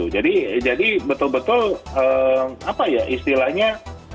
jadi betul betul apa ya istilahnya